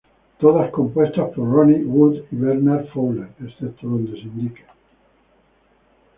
Todas compuestas por Ronnie Wood y Bernard Fowler, excepto donde se indique.